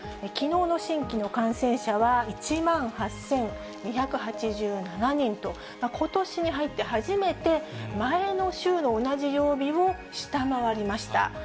きのうの新規の感染者は１万８２８７人と、ことしに入って初めて前の週の同じ曜日を下回りました。